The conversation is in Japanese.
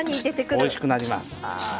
おいしくなります。